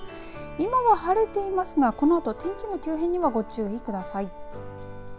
今は晴れていますがこのあと天気の急変にはご注意ください。